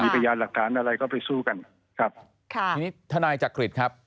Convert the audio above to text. มีปริญญาณหลักฐานอะไรก็ไปสู้กันครับค่ะท่านายจักริตครับ